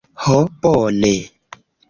Ho bone!